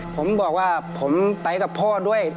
ผมบอกว่าผมไปกับพ่อด้วย